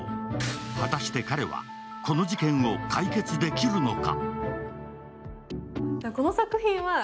果たして彼は、この事件を解決できるのか？